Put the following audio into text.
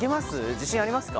自信ありますか？